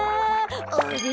あれ？